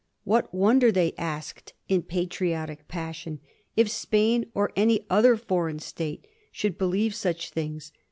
What wonder, they asked, in patriotic passion, if Spain or any other foreign state should believe such things